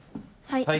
はい。